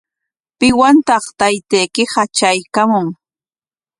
¿Piwantaq taytaykiqa traykaamun?